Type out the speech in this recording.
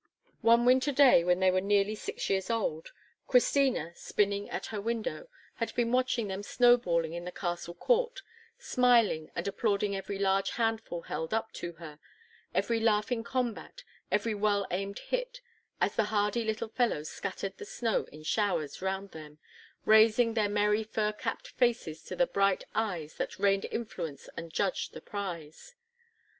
One winter day, when they were nearly six years old, Christina, spinning at her window, had been watching them snowballing in the castle court, smiling and applauding every large handful held up to her, every laughing combat, every well aimed hit, as the hardy little fellows scattered the snow in showers round them, raising their merry fur capped faces to the bright eyes that "rained influence and judged the prize."